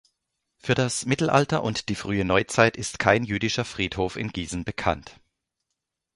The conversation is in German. Für das Mittelalter und die frühe Neuzeit ist kein jüdischer Friedhof in Gießen bekannt.